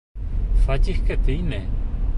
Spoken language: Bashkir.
Фәтихкә теймә!